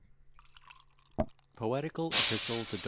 POETICAL EPISTLE TO DR.